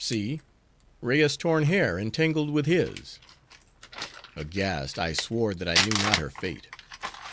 See! Rea's torn hair entangled with his!' Aghast, I swore that I knew not her fate.